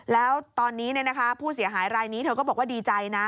แล้วตอนนี้ผู้เสียหายรายนี้เธอก็บอกว่าดีใจนะ